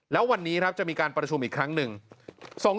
แล้ววันนี้ครับจะมีการประชุมอีกครั้งหนึ่ง